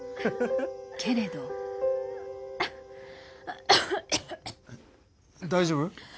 けれど大丈夫？